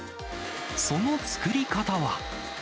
その作り方は。